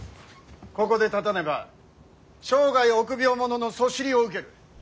ここで立たねば生涯臆病者のそしりを受ける。